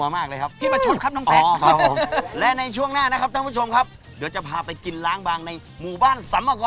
ไม่เสียเวลาครับเราไปกันเลย